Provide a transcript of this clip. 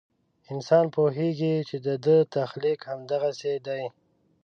انسان پوهېږي چې د ده تخلیق همدغسې دی.